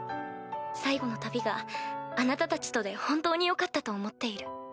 最後の旅があなたたちとで本当によかったと思っている。